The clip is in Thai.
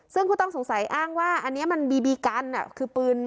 ซึ่งผู้ต้องสงสัยอ้างว่าอันนี้มันบีบีกันคือปืน